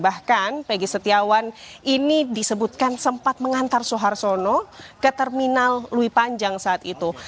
bahkan peggy setiawan ini disebutkan sempat mengantar soeharsono ke terminal lewi panjang saat itu